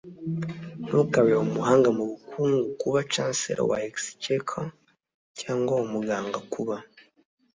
ntukabe umuhanga mubukungu kuba chancellor wa exchequer cyangwa umuganga kuba